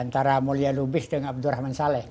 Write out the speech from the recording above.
antara mulia lubis dengan abdurrahman saleh